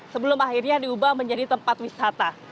sebelum akhirnya diubah menjadi tempat wisata